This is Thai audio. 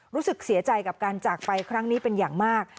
รู้สึกเสียใจกับการจากไปครั้งนี้เป็นอย่างมาก